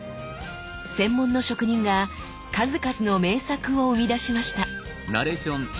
専門の職人が数々の名作を生み出しました。